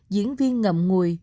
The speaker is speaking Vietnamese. diễn viên ngầm ngùi